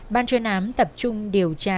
ban chuyên ám tập trung điều tra